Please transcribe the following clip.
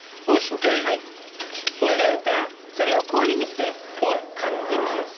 そしてそれを氷水で完全に冷やす。